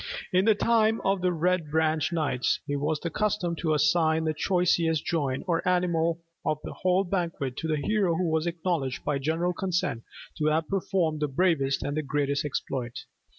In the time of the Red Branch Knights, it was the custom to assign the choicest joint or animal of the whole banquet to the hero who was acknowledged by general consent to have performed the bravest and greatest exploit.